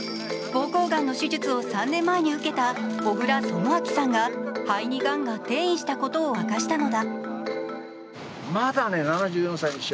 膀胱がんの手術を３年前に受けた小倉智昭さんが肺にがんが転移したことを明かしたのだ。